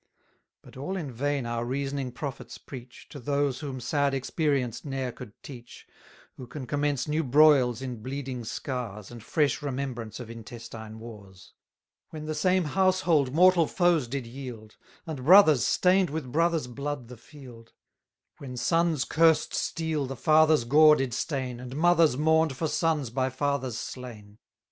But all in vain our reasoning prophets preach, To those whom sad experience ne'er could teach, Who can commence new broils in bleeding scars, And fresh remembrance of intestine wars; When the same household mortal foes did yield, And brothers stain'd with brothers' blood the field; When sons' cursed steel the fathers' gore did stain, And mothers mourn'd for sons by fathers slain!